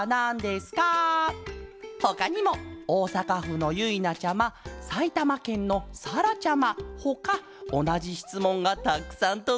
ほかにもおおさかふのゆいなちゃまさいたまけんのさらちゃまほかおなじしつもんがたくさんとどいてるケロ。